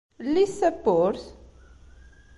Llit tawwurt.